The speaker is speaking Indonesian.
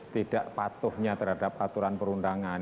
tidak patuhnya terhadap aturan perundangan